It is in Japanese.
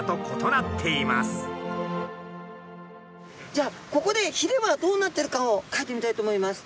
じゃあここでひれはどうなってるかをかいてみたいと思います。